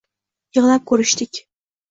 Yig’lab ko’rishdik.